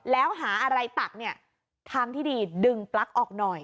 แล้วหาอะไรตักเนี่ยทางที่ดีดึงปลั๊กออกหน่อย